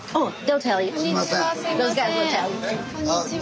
こんにちは。